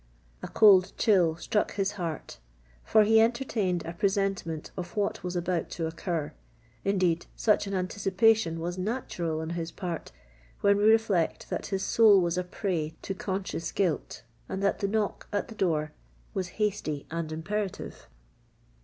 A cold chill struck to his heart—for he entertained a presentiment of what was about to occur: indeed, such an anticipation was natural on his part when we reflect that his soul was a prey to conscious guilt, and that the knock at the door was hasty and imperative.